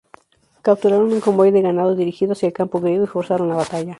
Capturaron un convoy de ganado dirigido hacia el campo griego y forzaron la batalla.